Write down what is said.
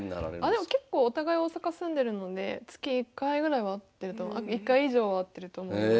あでも結構お互い大阪住んでるので月１回ぐらいは会ってると１回以上は会ってると思います。